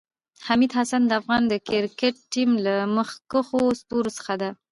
حمید حسن د افغانستان د کريکټ ټیم له مخکښو ستورو څخه ده